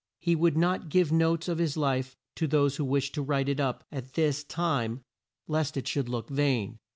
He would not give notes of his life to those who wished to write it up at this time lest it should look vain.